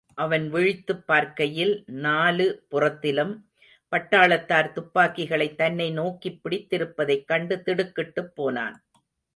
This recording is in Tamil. அவன் விழித்துப் பார்க்கையில் நாலு புறத்திலும் பட்டாளத்தார் துப்பாக்கிகளைத் தன்னை நோக்கிப் பிடித்திருந்ததைக் கண்டு திடுக்கிட்டுப் போனான்.